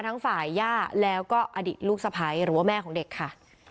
ทั้งฝ่ายย่าแล้วก็อดีตลูกสะพ้ายหรือว่าแม่ของเด็กค่ะ